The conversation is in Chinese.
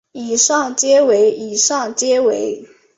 以上皆为以上皆为